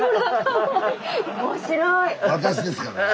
「私ですからね」。